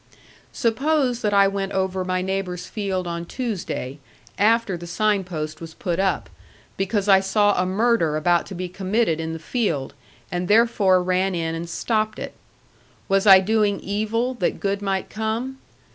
Suppose that I went over my neighbor's field on Tuesday, after the sign post was put up, because I saw a murder about to be committed in the field, and therefore ran in and stopped it. Was I doing evil that good might come?